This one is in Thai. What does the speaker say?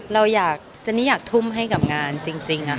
เราอยากเจนนี่อยากทุ่มให้กับงานจริง